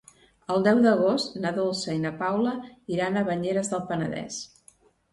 El deu d'agost na Dolça i na Paula iran a Banyeres del Penedès.